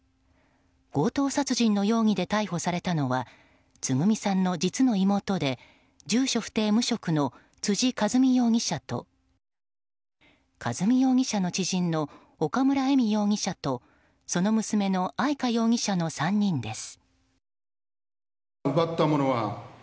強盗殺人の容疑で逮捕されたのはつぐみさんの実の妹で住所不定・無職の辻和美容疑者と和美容疑者の知人の岡村恵美容疑者とその娘の愛香容疑者の３人です。